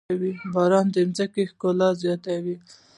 باران د ځمکې ښکلا زياتوي.